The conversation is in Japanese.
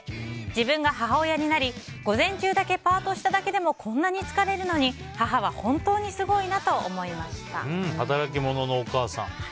自分が母親になり午前中だけパートしただけでもこんなに疲れるのに働き者のお母さん。